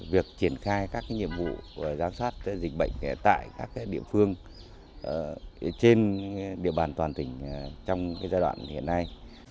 việc triển khai các nhiệm vụ giám sát dịch bệnh tại các địa phương trên địa bàn toàn tỉnh trong giai đoạn hiện nay